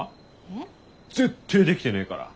えっ？絶対できてねえから！